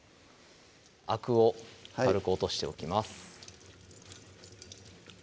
アクを軽く落としておきます